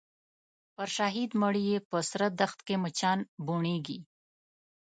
پر شهید مړي یې په سره دښت کي مچان بوڼیږي